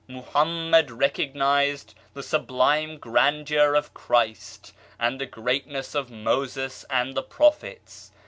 Mohammed recognized the sublime grandeur of Christ and the greatness of Moses and the prophets.